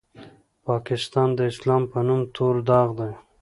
پاکستان د اسلام په نوم تور داغ دی.